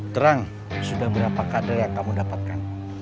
terang sudah berapa kadar yang kamu dapatkan